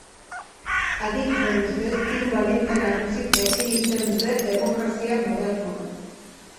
Adituen ustez, hiru baldintza nagusik definitzen dute demokrazia modernoa.